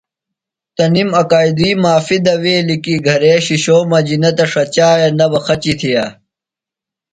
تنِم اکادُئی معافیۡ دویلیۡ کی گھرے شِشو مجیۡ نہ تہ ݜچِیہ نہ بہ خچیۡ تِھیہ۔